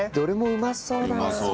うまそう。